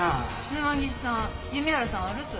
沼岸さん弓原さんは留守？